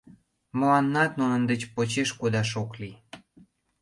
Мыланнат нунын деч почеш кодаш ок лий.